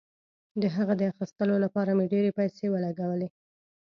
د هغه د اخیستلو لپاره مې ډیرې پیسې ولګولې.